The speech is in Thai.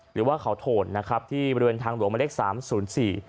หรือว่าเขาโถนนะครับที่บริเวณทางหลวงมาเล็กสามศูนย์สี่